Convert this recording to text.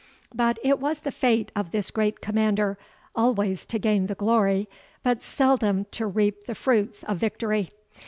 But it was the fate of this great commander, always to gain the glory, but seldom to reap the fruits of victory.